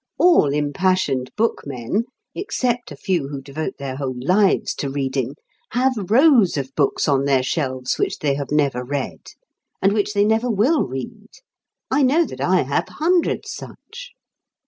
All impassioned bookmen, except a few who devote their whole lives to reading, have rows of books on their shelves which they have never read, and which they never will read. I know that I have hundreds such.